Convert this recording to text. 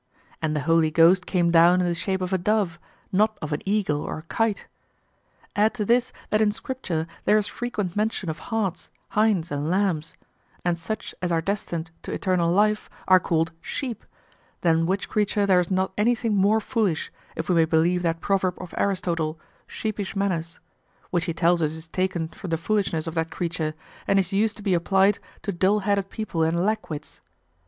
And the Holy Ghost came down in the shape of a dove, not of an eagle or kite. Add to this that in Scripture there is frequent mention of harts, hinds, and lambs; and such as are destined to eternal life are called sheep, than which creature there is not anything more foolish, if we may believe that proverb of Aristotle "sheepish manners," which he tells us is taken from the foolishness of that creature and is used to be applied to dull headed people and lack wits.